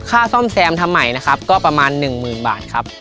ซ่อมแซมทำใหม่นะครับก็ประมาณ๑๐๐๐บาทครับ